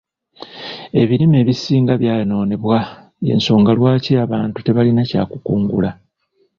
Ebirime ebisinga byayonoonebwa y'ensonga lwaki abantu tebalina kya kukungula.